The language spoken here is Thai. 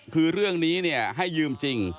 คือเรื่องนี้เนี่ยให้ยืมจริง